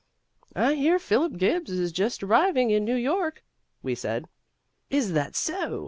"I hear Philip Gibbs is just arriving in New York," we said. "Is that so?